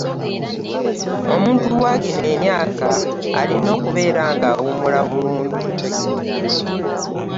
Omuntu waagino emyaka alina okubeera nga awumula bulungi.